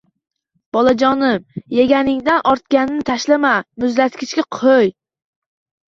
- bolajonim, yeganingdan ortganini tashlama, muzlatgichga qo'y.